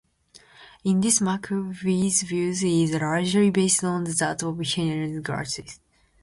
In this Maccoby's view is largely based on that of Heinrich Graetz.